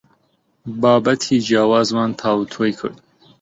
بابەتی جیاوازمان تاوتوێ کرد.